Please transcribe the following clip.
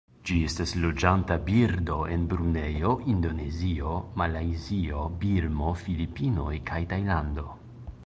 Ĝi estas loĝanta birdo en Brunejo, Indonezio, Malajzio, Birmo, Filipinoj kaj Tajlando.